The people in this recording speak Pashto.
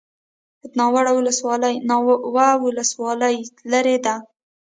ناوه ولسوالۍ لیرې ده؟